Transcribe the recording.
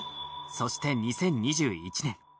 そして２０２１年。